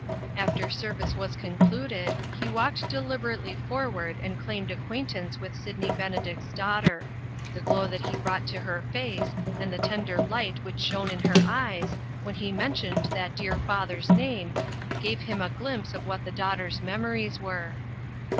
After service was concluded, he walked deliberately forward and claimed acquaintance with Sydney Benedict's daughter. The glow that he brought to her face, and the tender light which shone in her eyes, when he mentioned that dear father's name, gave him a glimpse of what the daughter's memories were.